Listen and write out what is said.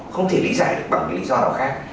không thể lý giải được bằng những lý do nào khác